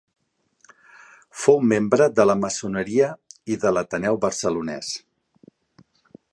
Fou membre de la maçoneria i de l'Ateneu Barcelonès.